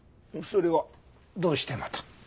それはどうしてまた？